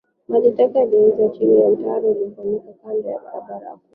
Maji taka yalielekezwa chini ya mitaro iliyofunikwa kando ya barabara kuu